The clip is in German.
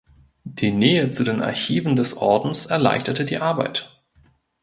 Die Nähe zu den Archiven des Ordens erleichterte die Arbeit.